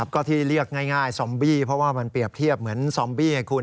ก็ที่เรียกง่ายซอมบี้เพราะว่ามันเปรียบเทียบเหมือนซอมบี้ไงคุณ